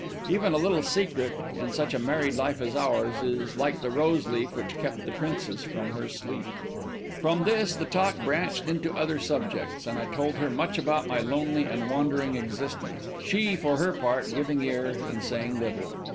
Even a little secret, in such a married life as ours, is like the rose leaf which kept the Princess from her sleep. From this the talk branched into other subjects, and I told her much about my lonely and wandering existence; she, for her part, giving ear, and saying little.